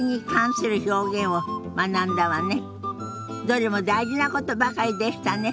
どれも大事なことばかりでしたね。